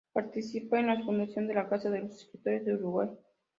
Participa en la fundación de la "Casa de los escritores" de Uruguay.